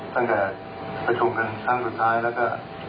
ตั้งแต่ประชุมกันครั้งสุดท้ายแล้วก็